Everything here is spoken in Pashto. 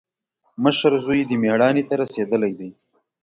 مشر زوی دې مېړانې ته رسېدلی دی.